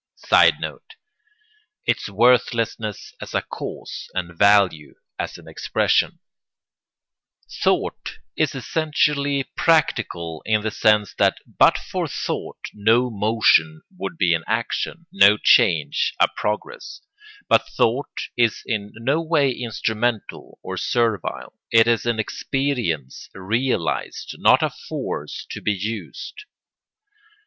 [Sidenote: Its worthlessness as a cause and value as an expression] Thought is essentially practical in the sense that but for thought no motion would be an action, no change a progress; but thought is in no way instrumental or servile; it is an experience realised, not a force to be used.